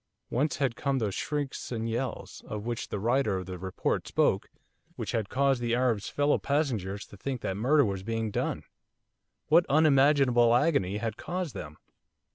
Whence had come those shrieks and yells, of which the writer of the report spoke, which had caused the Arab's fellow passengers to think that murder was being done? What unimaginable agony had caused them?